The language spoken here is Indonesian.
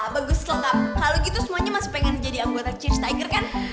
bagus lengkap kalau gitu semuanya masih pengen jadi anggota change stiker kan